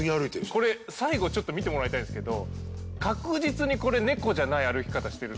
これ最後ちょっと見てもらいたいんですけど確実にこれ猫じゃない歩き方してる。